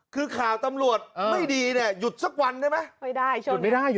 คือข่าวตำรวจไม่ดีเนี่ยหยุดสักวันได้มั้ย